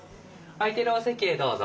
空いているお席へどうぞ。